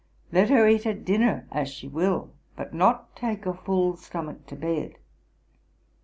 Let her eat at dinner as she will, but not take a full stomach to bed.